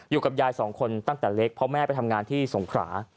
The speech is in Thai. อยู่กับยายสองคนตั้งแต่เล็กเพราะแม่ไปทำงานที่สงขรา